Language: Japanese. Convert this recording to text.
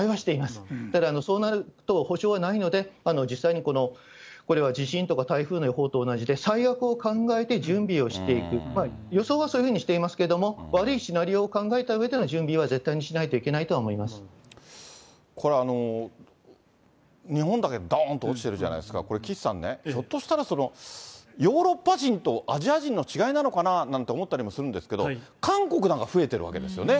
ただ、そうなるとは保証はないので、実際にこれは地震とか台風の予報と同じで、最悪を考えて、準備をしていく、予想はそういうふうにしていますけれども、悪いシナリオを考えたうえでの準備は絶対にしないといけないとはこれ、日本だけでどーんと落ちてるじゃないですか、これ、岸さんね、ひょっとしたら、ヨーロッパ人とアジア人の違いなのかなと思ったりもするんですけれども、韓国なんか増えてるわけですよね。